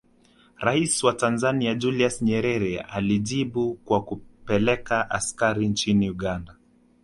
Rais wa Tanzania Julius Nyerere alijibu kwa kupeleka askari nchini Uganda